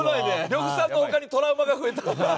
呂布さんの他にトラウマが増えた。